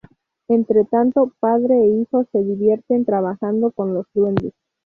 Entretanto, padre e hijo se divierten trabajando con los duendes.